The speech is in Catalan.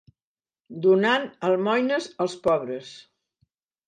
Donant almoines als pobres.